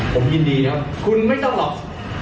ผมยินดีครับคุณไม่ต้องหรอก